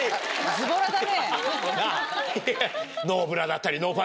ズボラだね。